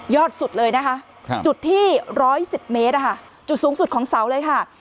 สุดเลยนะคะจุดที่๑๑๐เมตรจุดสูงสุดของเสาเลยค่ะ